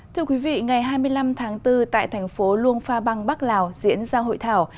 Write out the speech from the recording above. thưa quý vị ngày hai mươi năm tháng bốn tại thành phố luông pha băng bắc lào diễn ra hội thảo